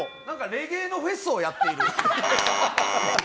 レゲエのフェスをやっている。